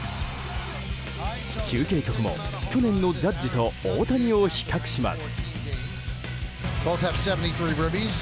中継局も、去年のジャッジと大谷を比較します。